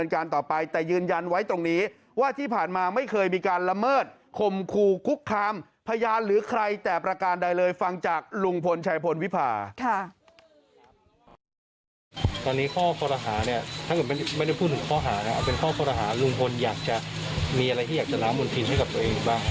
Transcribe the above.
ก็ต้องไปพิสูจน์ที่ชั้นศาลครับ